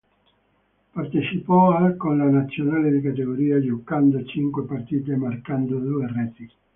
Partecipò al con la Nazionale di categoria, giocando cinque partite e marcando due reti.